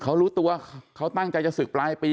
เขารู้ตัวเขาตั้งใจจะศึกปลายปี